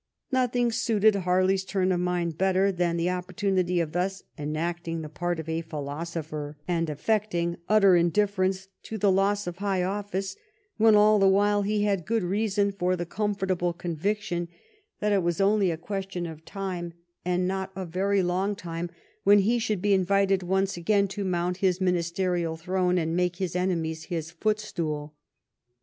Nothing suited Harley^s turn of mind better than the oppor tunity of thus enacting the part of a philosopher and affecting utter indifference to the loss of high office, when all the while he had good reason for the com fortable conviction that it was only a question of time, 322 "HARLEY, THE NATION'S GREAT SUPPORT" and not of very long time, when he should be invited once again to mount his ministerial throne and make his enemies his footstool.